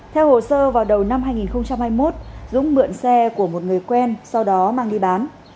theo hồ sơ vào đầu năm hai nghìn hai mươi một dũng mượn xe của một người quen sau đó mang đi bán